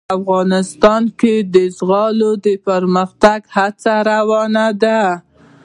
افغانستان کې د زغال د پرمختګ هڅې روانې دي.